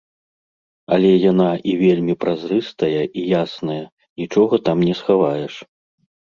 Але яна і вельмі празрыстая і ясная, нічога там не схаваеш.